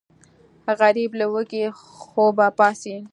غریب له وږي خوبه پاڅي